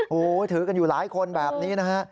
โหถือกันอยู่หลายคนแบบนี้นะฮะ